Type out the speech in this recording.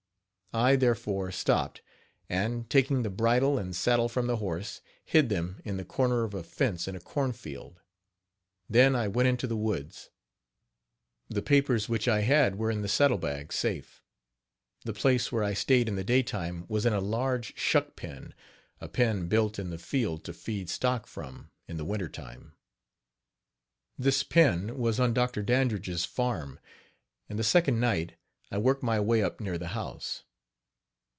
I, therefore, stopped, and, taking the bridle and saddle from the horse, hid them in the corner of a fence in a cornfield. Then I went into the woods. The papers which I had were in the saddlebag safe. The place where I stayed in the daytime was in a large shuck pen a pen built in the field to feed stock from, in the winter time. This pen was on Dr. Dandridge's farm; and the second night I worked my way up near the house.